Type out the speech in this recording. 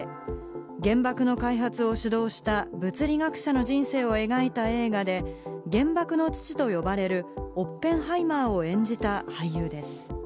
原爆の開発を指導した物理学者の人生を描いた映画で原爆の父と呼ばれるオッペンハイマーを演じた俳優です。